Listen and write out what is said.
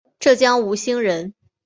浙江吴兴人。